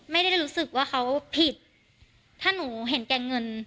ไม่ได้รู้สึกว่าเขาผิดถ้าหนูเห็นแก่เงิน